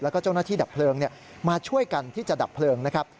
แล้วก็เจ้าหน้าที่ดับเพลิงมาช่วยกันที่จะดับเพลิงนะครับ